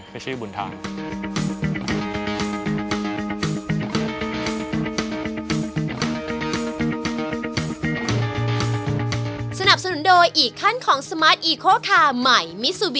คือชื่อบุญธรรม